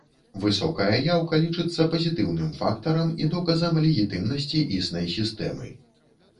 Высокая яўка лічыцца пазітыўным фактарам і доказам легітымнасці існай сістэмы.